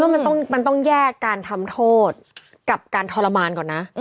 มันต้องแยกการทำโทษกับการทรมานก่อนนะ